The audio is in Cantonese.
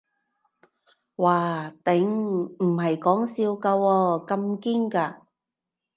嘩頂，唔係講笑㗎喎，咁堅嘅